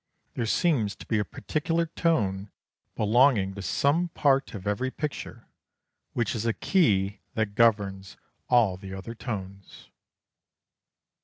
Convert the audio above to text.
There seems to be a particular tone belonging to some part of every picture which is a key that governs all the other tones."